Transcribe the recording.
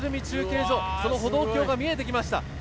中継所、その歩道橋が見えてきました。